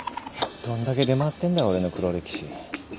どんだけ出回ってんだ俺の黒歴史。